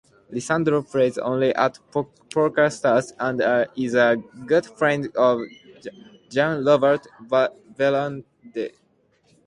Lisandro plays online at PokerStars and is a good friend of Jean-Robert Bellande.